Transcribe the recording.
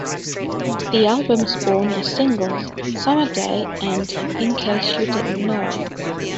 The album spawned the singles "Summer Day" and "In Case You Didn't Know".